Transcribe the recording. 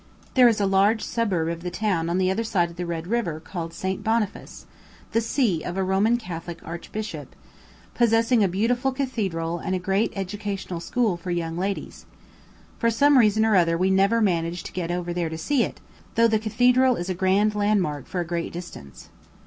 There is a large suburb of the town the other side of the Red River called St. Boniface face, the see of a Roman Catholic Archbishop; possessing a beautiful cathedral and a great educational school for young ladies; for some reason or other we never managed to get over there to see it, though the cathedral is a grand landmark for a great distance.